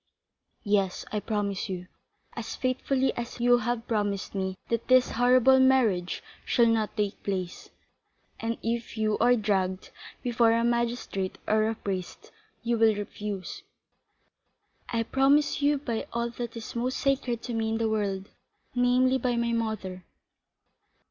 "Yes, I promise you, as faithfully as you have promised me that this horrible marriage shall not take place, and that if you are dragged before a magistrate or a priest, you will refuse." "I promise you by all that is most sacred to me in the world, namely, by my mother."